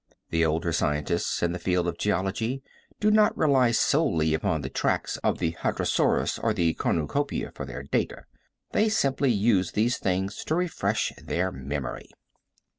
The older scientists in the field of geology do not rely solely upon the tracks of the hadrasaurus or the cornucopia for their data. They simply use these things to refresh their memory.